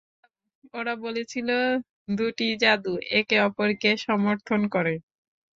ওরা বলেছিল, দুটিই জাদু, একে অপরকে সমর্থন করে।